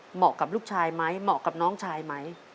เหมาะกับลูกชายไหมเหมาะกับน้องชายไหม